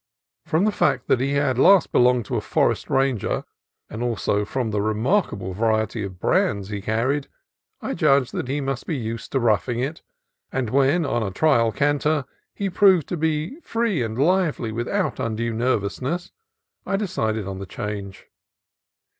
From the fact that he had last belonged to a forest ranger, and also from the re markable variety of brands he carried, I judged that he must be used to roughing it ; and when, on a trial canter, he proved to be free and lively without un due nervousness, I decided on the change.